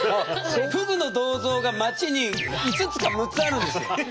ふぐの銅像が街に５つか６つあるんですよ。